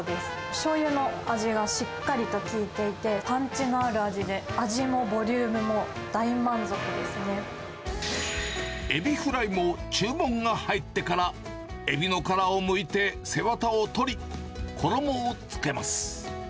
しょうゆの味がしっかりと効いていて、パンチのある味で、味もボエビフライも注文が入ってから、エビの殻を剥いて背わたを取り、衣をつけます。